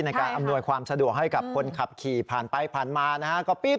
ในการอำนวยความสะดวกให้กับคนขับขี่ผ่านไปผ่านมานะฮะ